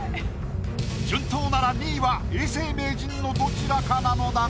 順当なら２位は永世名人のどちらかなのだが。